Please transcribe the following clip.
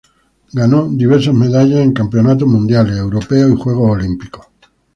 Ganó diversas medallas en Campeonatos Mundiales, Europeos y Juegos Olímpicos.